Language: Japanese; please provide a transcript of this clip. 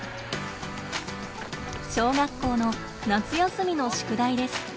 小学校の夏休みの宿題です。